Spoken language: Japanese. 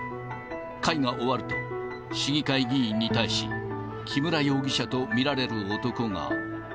会が終わると、市議会議員に対し、木村容疑者と見られる男が。